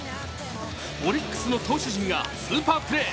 オリックスの投手陣がスーパープレー。